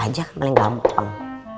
udah aja kan paling gak bohong